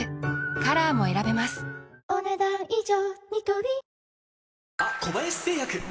カラーも選べますお、ねだん以上。